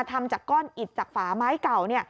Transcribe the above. ทำจากก้อนอิดจากฝาไม้เก่า